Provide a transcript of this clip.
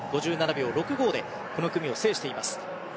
５７秒６５でこの組を制しています。